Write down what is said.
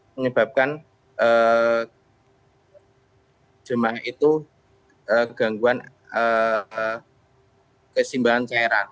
menyebabkan jemaah itu gangguan kesimbangan cairan